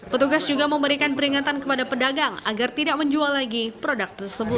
petugas juga memberikan peringatan kepada pedagang agar tidak menjual lagi produk tersebut